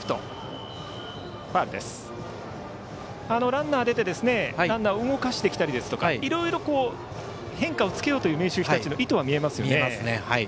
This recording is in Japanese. ランナーが出てランナー動かしてきたりですとかいろいろ変化をつけようという明秀日立の意図は見えますよね。